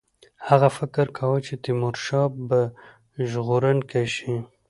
هغه فکر کاوه چې تیمورشاه به ژغورونکی شي.